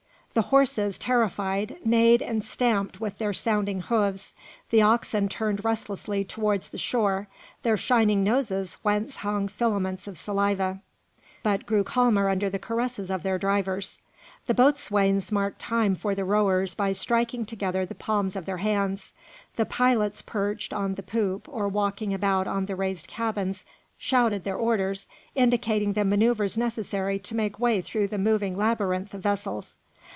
The horses, terrified, neighed and stamped with their sounding hoofs; the oxen turned restlessly towards the shore their shining noses whence hung filaments of saliva, but grew calmer under the caresses of their drivers. The boatswains marked time for the rowers by striking together the palms of their hands; the pilots, perched on the poop or walking about on the raised cabins, shouted their orders, indicating the manoeuvres necessary to make way through the moving labyrinth of vessels.